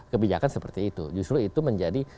kebijakan seperti itu justru itu menjadi